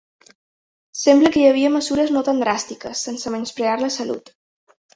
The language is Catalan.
Sembla que hi havia mesures no tan dràstiques, sense menysprear la salut.